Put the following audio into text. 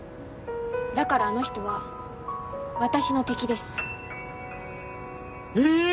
だからあの人は私の敵ですええ！？